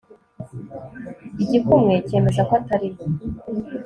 igikumwe cyemeza ko atariwe